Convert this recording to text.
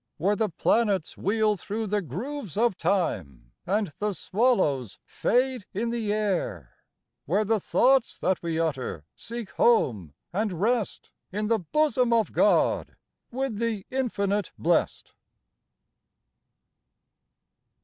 Where the planets wheel thro' the grooves of time and the swallows fade in the air; Where the thoughts that we utter seek home and rest In the bosom of God with the Infinite Blest.